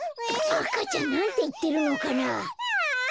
赤ちゃんなんていってるのかな？